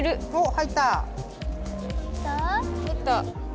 入った。